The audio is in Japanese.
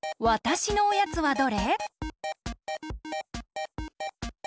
わたしのおやつは。